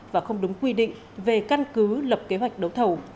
và không đúng quy định về căn cứ lập kế hoạch đấu thầu